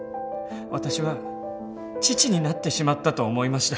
私は父になってしまったと思いました。